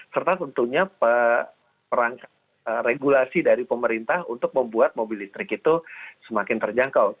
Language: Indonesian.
serta tentunya perangkat regulasi dari pemerintah untuk membuat mobil listrik itu semakin terjangkau